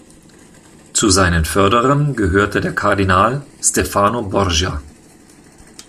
Zu seinen Förderern gehörte der Kardinal Stefano Borgia.